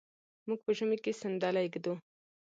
موږ په ژمي کې صندلی ږدو.